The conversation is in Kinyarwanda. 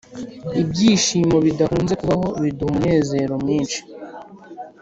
“ibyishimo bidakunze kubaho biduha umunezero mwinshi.”